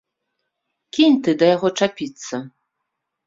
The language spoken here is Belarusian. Кінь ты да яго чапіцца!